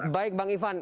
baik bang ivan